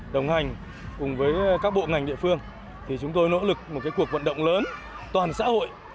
đồng hành cùng với các bộ ngành địa phương thì chúng tôi nỗ lực một cuộc vận động lớn toàn xã hội